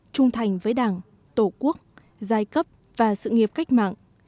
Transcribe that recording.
trung thành với đảng tổ quốc giai cấp và sự nghiệp cách mạng